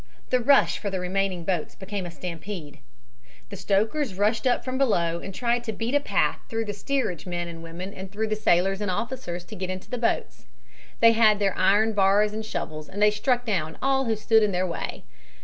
The rush for the remaining boats became a stampede. The stokers rushed up from below and tried to beat a path through the steerage men and women and through the sailors and officers, to get into the boats. They had their iron bars and shovels, and they struck down all who stood in their way.